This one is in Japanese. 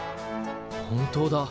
本当だ。